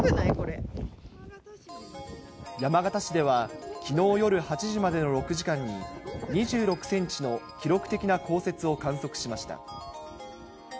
山形市では、きのう夜８時までの６時間に、２６センチの記録的な降雪を観測しました。